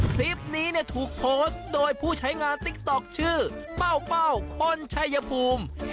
คลิปนี้เนี่ยถูกโพสต์โดยผู้ใช้งานติ๊กต๊อกชื่อเป้าคนชัยภูมิ